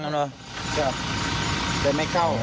เดินไม่เข้า